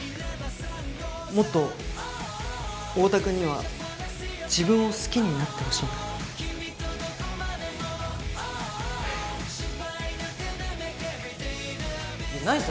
もっとオオタ君には自分を好きになってほしいから。